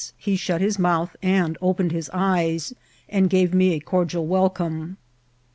he shut his mouth and opened his eyes, and gave me a cordial welcome.